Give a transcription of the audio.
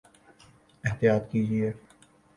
احطیاط کیجئے